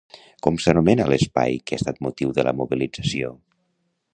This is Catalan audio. Com s'anomena l'espai que ha estat motiu de la mobilització?